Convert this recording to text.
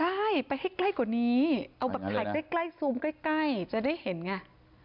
ใช่ไปให้ใกล้กว่านี้เอาแบบถ่ายใกล้ซูมใกล้จะได้เห็นไง